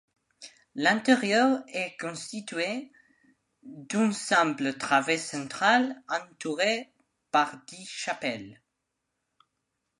L'intérieur est constitué d'une simple travée centrale entourée par dix chapelles.